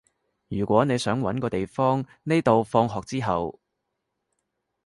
如果你想搵個地方匿到放學之後